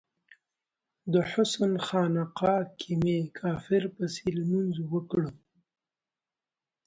د حسن خانقا کې می کافر پسې لمونځ وکړ